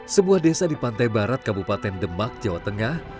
sebuah desa di pantai barat kabupaten demak jawa tengah